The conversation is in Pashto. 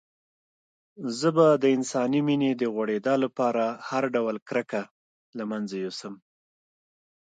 زه به د انساني مينې د غوړېدا لپاره هر ډول کرکه له منځه يوسم.